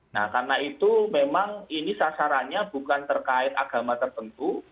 nah karena itu memang ini sasarannya bukan terkait agama tertentu